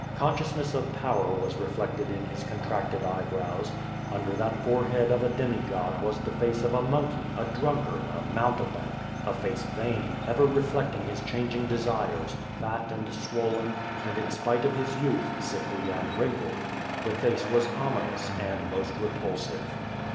Consciousness of power was reflected in his contracted eye brows. Under that forehead of a demi god was the face of a monkey, a drunkard, a mountebank — ^a face vain, ever reflecting his changing desires, fat and swollen, and in spite of his youth, sickly and wrinkled. The face was ominous, and*most repulsive.